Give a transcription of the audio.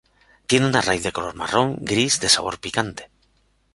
Tiene una raíz de color marrón gris de sabor picante.